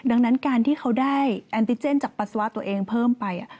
ดังนั้นการที่เขาได้แอนติเจนจากปัสสาวะตัวเองเพิ่มไป